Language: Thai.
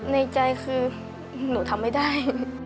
ในใจคือหนูทำไม่ได้